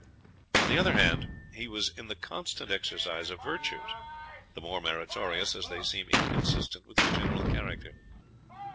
On the other hand, he was in the constant exercise of virtues, the more meritorious as they seem inconsistent with his general character.